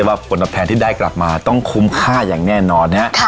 เพราะว่ากลบแทนที่ได้กลับมาต้องคุ้มค่าอย่างแน่นอนนะฮะ